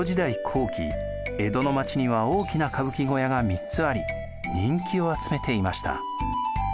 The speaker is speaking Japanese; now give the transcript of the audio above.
後期江戸の町には大きな歌舞伎小屋が３つあり人気を集めていました。